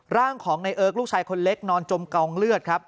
ร่างของในเอิร์กลูกชายคนเล็กนอนจมกองเลือดครับ